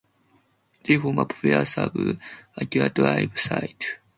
They form a popular sub-aqua dive site.